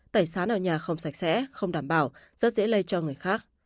tẩy xá ở nhà không sạch sẽ không đảm bảo rất dễ lây cho người khác